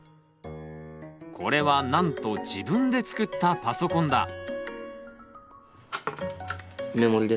これはなんと自分で作ったパソコンだ。